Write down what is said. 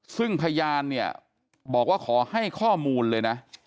ซึ่งพยานเนี่ยบอกว่าขอให้ข้อมูลเลยนะ